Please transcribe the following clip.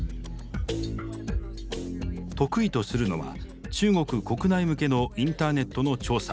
得意とするのは中国国内向けのインターネットの調査。